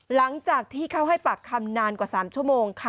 หลังจากที่เขาให้ปากคำนานกว่า๓ชั่วโมงค่ะ